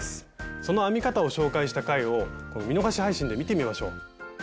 その編み方を紹介した回を見逃し配信で見てみましょう。